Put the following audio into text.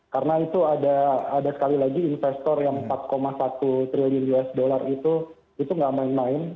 karena itu ada sekali lagi investor yang empat satu triliun usd itu itu gak main main